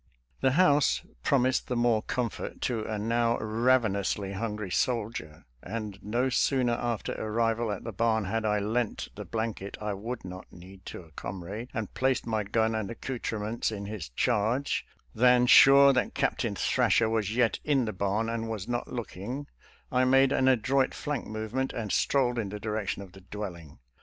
The house prom ised the more comfort to a now ravenously hun gry soldier, and no sooner after arrival at the barn had I lent the blanket I would not need to a comrade, and placed my gun and accouter ments in his charge, than, sure that Captain Thrasher was yet in the barn and was not look ing, I made an adroit flank movement and strolled in the direction of the dwelling.